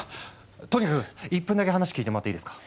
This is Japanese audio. とにかく１分だけ話聞いてもらっていいですか？